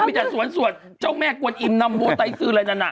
มันไม่จากสวนสวดเจ้าแม่กวนอิ่มนำโบไตซื้ออะไรนั้น